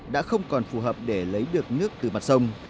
đã không còn phù hợp để lấy được nước từ mặt sông